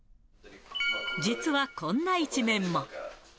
実はこんな一面も。